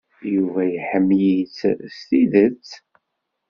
Yuba iḥemmel-ik s tidet.